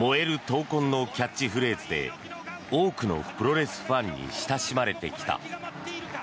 闘魂のキャッチフレーズで多くのプロレスファンに親しまれてきた。